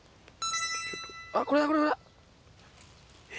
あっ、これだ、これだ。